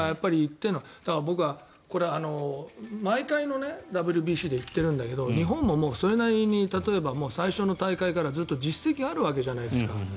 これは毎回ＷＢＣで言ってるんだけど日本もそれなりに例えば最初の大会から実績があるわけじゃないですか。